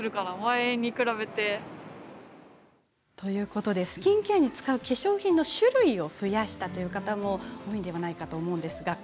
重ねづけはスキンケアで使う化粧品の種類を増やした方も多いんではないかと思います。